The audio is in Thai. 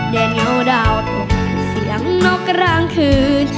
แดงเหงาดาวน์ออกมาเสียงนอกกระลางคืน